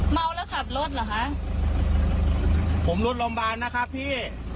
เมาแล้วขับรถเหรอคะผมรถโรงพยาบาลนะครับพี่